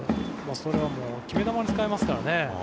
それは決め球に使えますからね。